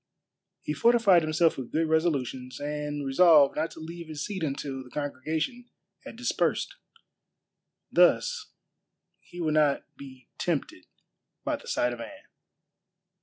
He fortified himself with good resolutions, and resolved not to leave his seat until the congregation had dispersed. Thus he would not be tempted by the sight of Anne.